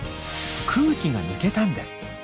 空気が抜けたんです。